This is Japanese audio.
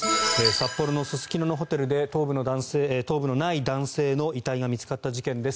札幌のすすきののホテルで頭部のない男性の遺体が見つかった事件です。